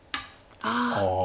ああ。